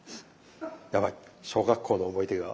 やばい小学校の思い出が。